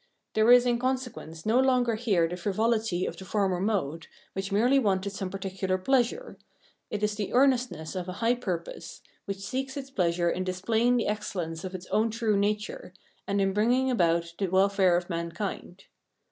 There is in consequence no longer here the frivohty of the former mode, which merely wanted some particular pleasure ; it is the earnestness of a high purpose, which seeks its pleasure in displaying the excellence of its own true nature, and in bringing about the welfare of mankind.